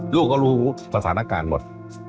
ลูกก็รู้สถานการณ์หมด